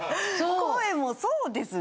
声もそうですね。